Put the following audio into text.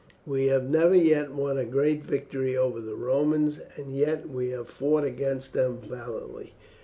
We have never yet won a great victory over the Romans, and yet we have fought against them valiantly.